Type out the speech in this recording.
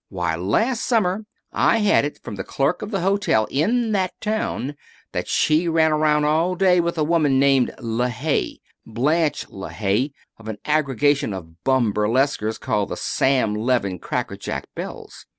Why, last summer I had it from the clerk of the hotel in that town that she ran around all day with a woman named LeHaye Blanche LeHaye, of an aggregation of bum burlesquers called the Sam Levin Crackerjack Belles.